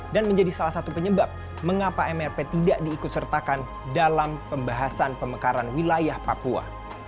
dan menjadi salah satu penyebab mengapa mrp tidak diikut sertakan dalam pembahasan pemekaran wilayah papua